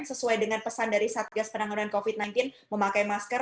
sesuai dengan pesan dari satgas penanganan covid sembilan belas memakai masker